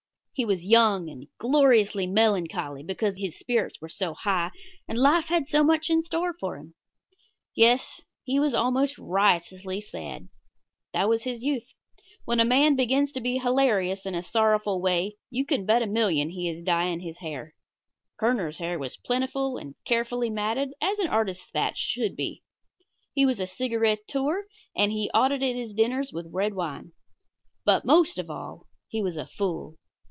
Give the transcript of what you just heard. He was young and gloriously melancholy because his spirits were so high and life had so much in store for him. Yes, he was almost riotously sad. That was his youth. When a man begins to be hilarious in a sorrowful way you can bet a million that he is dyeing his hair. Kerner's hair was plentiful and carefully matted as an artist's thatch should be. He was a cigaretteur, and he audited his dinners with red wine. But, most of all, he was a fool.